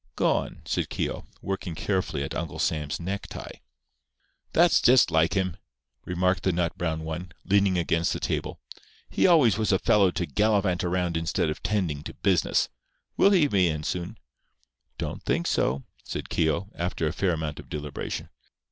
"Gone," said Keogh, working carefully at Uncle Sam's necktie. "That's just like him," remarked the nut brown one, leaning against the table. "He always was a fellow to gallivant around instead of 'tending to business. Will he be in soon?" "Don't think so," said Keogh, after a fair amount of deliberation.